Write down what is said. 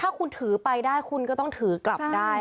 ถ้าคุณถือไปได้คุณก็ต้องถือกลับได้